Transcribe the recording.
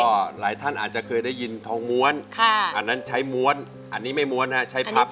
ก็หลายท่านอาจจะเคยได้ยินทองม้วนอันนั้นใช้ม้วนอันนี้ไม่ม้วนฮะใช้พับ